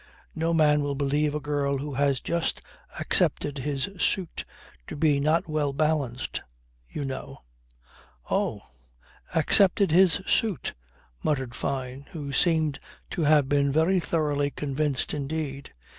"No man will believe a girl who has just accepted his suit to be not well balanced, you know." "Oh! Accepted his suit," muttered Fyne, who seemed to have been very thoroughly convinced indeed.